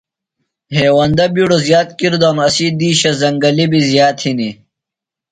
ہیوندہ بِیڈوۡ زِیات کِر دانُوۡ۔ اسی دِیشہ زنگل بیۡ زیات ہِنیۡ۔